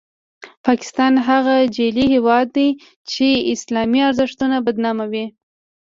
پاکستان هغه جعلي هیواد دی چې اسلامي ارزښتونه بدناموي.